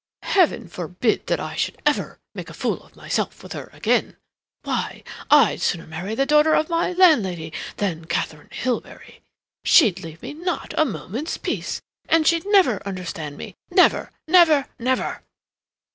"Heaven forbid that I should ever make a fool of myself with her again. Why, I'd sooner marry the daughter of my landlady than Katharine Hilbery! She'd leave me not a moment's peace—and she'd never understand me—never, never, never!"